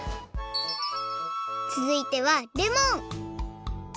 つづいてはレモン！